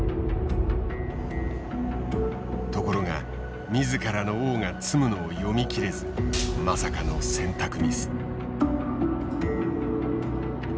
ところが自らの王が詰むのを読み切れずまさかの選択ミス。